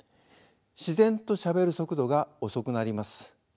自然としゃべる速度が遅くなります。